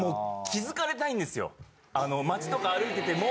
あの街とか歩いてても。